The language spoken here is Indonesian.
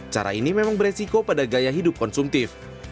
cara ini memang beresiko pada gaya hidup konsumtif